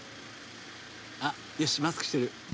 あっよしマスクしてる。